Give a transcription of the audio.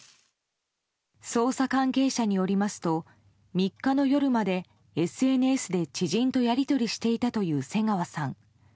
捜査関係者によりますと３日の夜までＳＮＳで知人とやり取りしていたという瀬川さん。